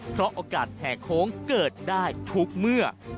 เพราะโอกาสแห่โค้งเกิดได้ทุกเมื่อ